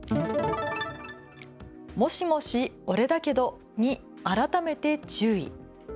もしもしオレだけどに改めて注意。